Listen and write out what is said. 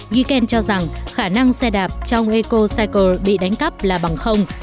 ghi ken cho rằng khả năng xe đạp trong ecocycle bị đánh cắp là bằng